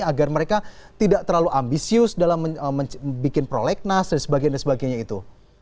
agar mereka tidak terlalu ambisius dalam membuat prolegnas dan sebagainya itu